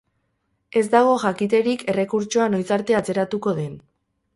Ez dago jakiterik errekurtsoa noiz arte atzeratuko den.